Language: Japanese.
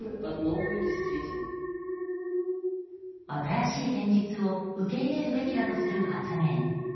新しい現実を受け入れるべきだとする発言。